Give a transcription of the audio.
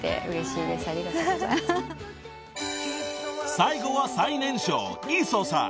［最後は最年少イソさん。